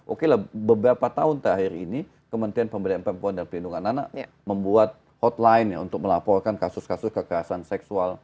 oke lah beberapa tahun terakhir ini kementerian pemberdayaan perempuan dan perlindungan anak membuat hotline ya untuk melaporkan kasus kasus kekerasan seksual